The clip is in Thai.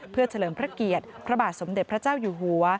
เพื่อเฉลิมพระเกียรติพระบาทสมเด็จพระเจ้าอยู่หัว